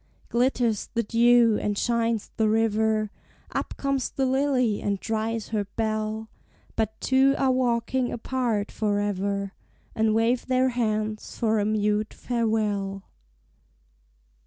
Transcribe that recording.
Glitters the dew, and shines the river; Up comes the lily and dries her bell; But two are walking apart forever, And wave their hands for a mute farewell.